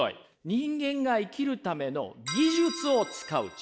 人間が生きるための技術を使う知恵。